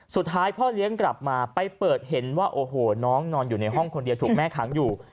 สุดท้ายพ่อเลี้ยงกลับมาไปเปิดเห็นว่าโอ้โหน้องนอนอยู่ในห้องคนเดียวถูกแม่ขังอยู่